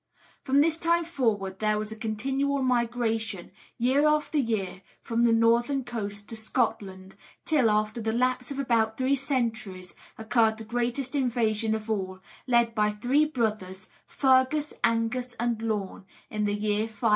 From this time forward, there was a continual migration, year after year, from the northern coast to Scotland, till, after the lapse of about three centuries, occurred the greatest invasion of all, led by the three brothers, Fergus, Angus, and Lorne, in the year 503.